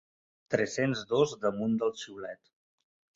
Tres-cents dos damunt del xiulet.